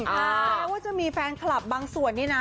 แม้ว่าจะมีแฟนคลับบางส่วนนี่นะ